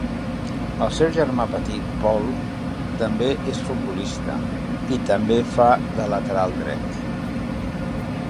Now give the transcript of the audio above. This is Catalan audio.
El seu germà petit, Pol, també és futbolista, i també fa de lateral dret.